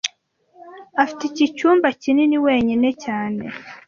Afite iki cyumba kinini wenyine cyane